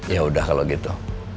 ya udah kalau gitu